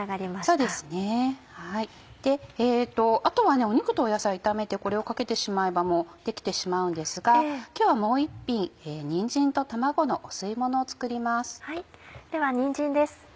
あとは肉と野菜を炒めてこれをかけてしまえばもう出来てしまうんですが今日はもう１品にんじんと卵のお吸い物を作ります。